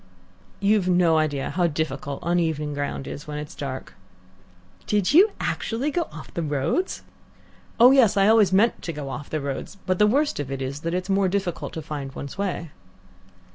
"You've no idea how difficult uneven ground is when it's dark." "Did you actually go off the roads?" "Oh yes. I always meant to go off the roads, but the worst of it is that it's more difficult to find one's way."